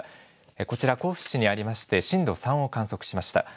こちら、甲府市にありまして、震度３を観測しました。